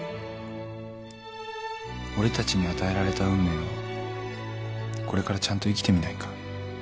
「俺たちに与えられた運命をこれからちゃんと生きてみないか」